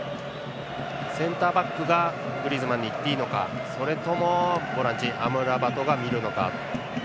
センターバックがグリーズマンにいっていいのかそれとも、ボランチアムラバトが見るのか。